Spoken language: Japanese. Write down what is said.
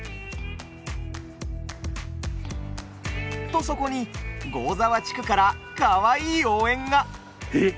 とそこに合沢地区からかわいい応援が。え？